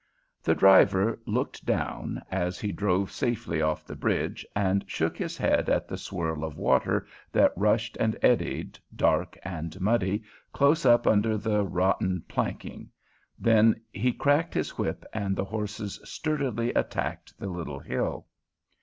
The driver looked down, as he drove safely off the bridge, and shook his head at the swirl of water that rushed and eddied, dark and muddy, close up under the rotten planking; then he cracked his whip, and the horses sturdily attacked the little hill.